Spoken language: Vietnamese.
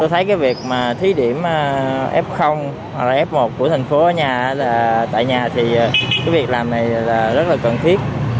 tôi thấy cái việc mà thí điểm f rf một của thành phố ở nhà là tại nhà thì cái việc làm này là rất là cần thiết